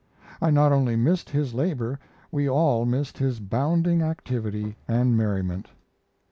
I not only missed his labor; we all missed his bounding activity and merriment."